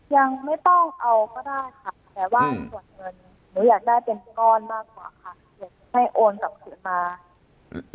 ยังไม่ต้องเอาก็ได้แต่ว่าส่วนเงินหนูอยากได้เป็นกรมาก